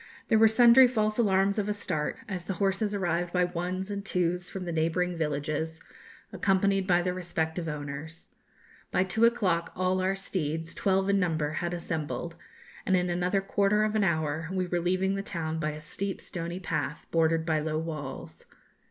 There were sundry false alarms of a start, as the horses arrived by ones and twos from the neighbouring villages, accompanied by their respective owners. By two o'clock all our steeds, twelve in number, had assembled, and in another quarter of an hour we were leaving the town by a steep stony path, bordered by low walls.